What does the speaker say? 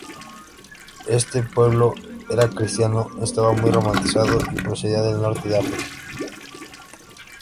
Este pueblo era cristiano, estaba muy romanizado y procedía del norte de África.